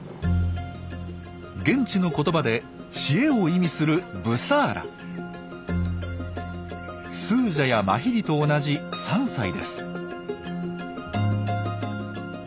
現地の言葉で知恵を意味するスージャやマヒリと同じ３歳です。